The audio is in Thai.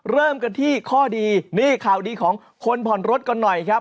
เริ่มกันที่ข้อดีนี่ข่าวดีของคนผ่อนรถกันหน่อยครับ